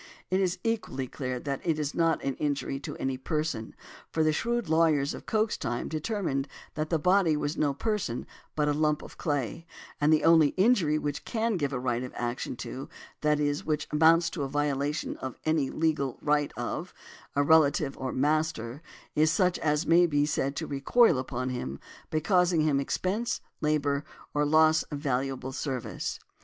It is equally clear that it is not an injury to any person; for the shrewd lawyers of Coke's time determined that the body was no person but a lump of clay; and the only injury which can give a right of action to—that is which amounts to a violation of any legal right of—a relative or master, is such as may be said to recoil upon him, by causing him expense, labor, or loss of valuable service.